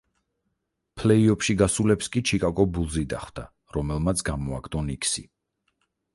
ფლეი-ოფში გასულებს კი ჩიკაგო ბულზი დახვდა, რომელმაც გამოაგდო ნიქსი.